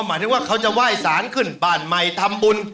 หมายถึงว่าเขาจะไหว้สารขึ้นบ้านใหม่ทำบุญ